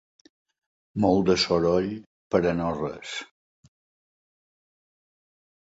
Molt de soroll per a no res.